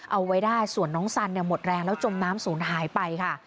เอาไว้ได้ส่วนน้องสันเนี่ยหมดแรงแล้วจมน้ำศูนย์หายไปค่ะ